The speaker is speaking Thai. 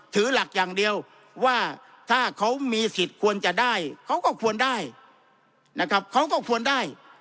ถือหลักอย่างเดียวว่าถ้าเขามีสิทธิ์ควรจะได้เขาก็ควรได้นะครับเขาก็ควรได้